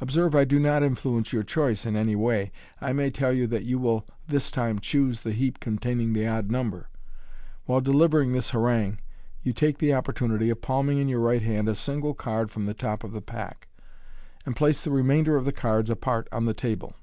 Observe, I do not influence your choice in any way. I may tell you that you will this time choose the heap containing the odd numbei ," While delivering this harangue, you take the opportunity of palmivjg in your right hand a single card from the top of the pack, and place the remainder of the cards apart on the table.